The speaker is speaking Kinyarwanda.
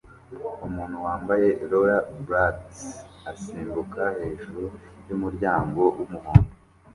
Umuntu wambaye Rollerblades asimbuka hejuru yumuryango wumuhondo